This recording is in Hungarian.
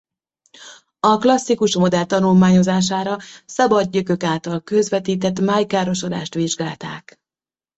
A klasszikus modell tanulmányozására szabad gyökök által közvetített májkárosodást vizsgálták.